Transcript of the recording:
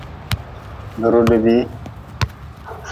Be rudbii.